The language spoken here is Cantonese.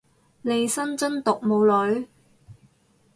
利申真毒冇女